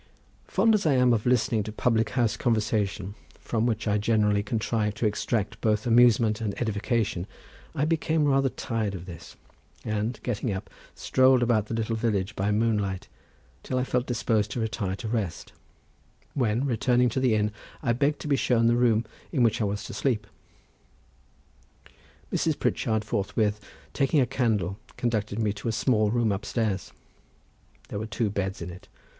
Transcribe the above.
Fond as I am of listening to public house conversation, from which I generally contrive to extract both amusement and edification, I became rather tired of this, and getting up, strolled about the little village by moonlight till I felt disposed to retire to rest, when returning to the inn, I begged to be shown the room in which I was to sleep. Mrs. Pritchard forthwith taking a candle conducted me to a small room upstairs. There were two beds in it.